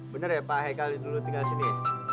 bener ya pak hei kali dulu tinggal sini